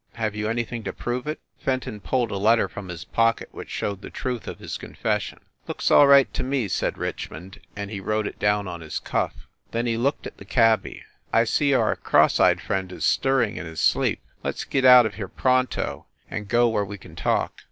Have you anything to prove it?" Fenton pulled a letter from his pocket which showed the truth of his confession. "Looks all right to me," said Richmond, and he wrote it down on his cuff. Then, he looked at the cabby. "I see our cross eyed friend is stirring in his sleep. Let s get out of here pronto, and go where we can talk.